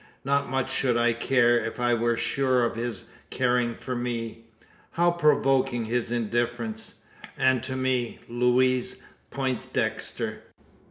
Not much should I care, if I were sure of his caring for me. How provoking his indifference! And to me Louise Poindexter!